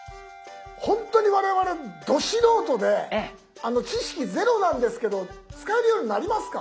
ほんとに我々ど素人で知識ゼロなんですけど使えるようになりますか？